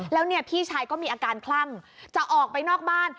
แล้วเนี่ยพี่ชายก็มีอาการคลั่งจะออกไปนอกบ้าน